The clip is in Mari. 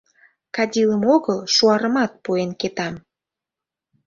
Кадилым огыл, шуарымат пуэн кетам...